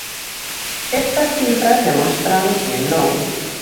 Estas cifras demostran que non.